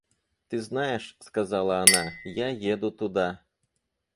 — Ты знаешь, — сказала она, — я еду туда.